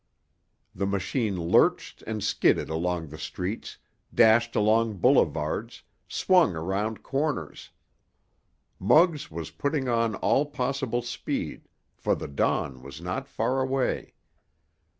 The machine lurched and skidded along the streets, dashed along boulevards, swung around corners. Muggs was putting on all possible speed, for the dawn was not far away.